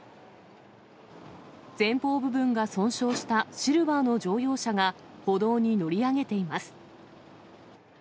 前方部分が損傷したシルバーの乗用車が、歩道に乗り上げています。